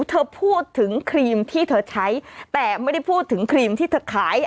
เธอพูดถึงครีมที่เธอใช้แต่ไม่ได้พูดถึงครีมที่เธอขาย